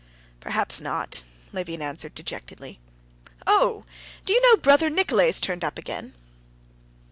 "Perhaps not," Levin answered dejectedly. "Oh! do you know brother Nikolay's turned up again?"